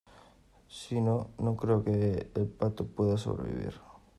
si no, no creo que el pato pueda sobrevivir